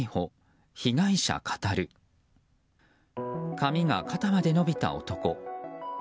髪が肩まで伸びた男。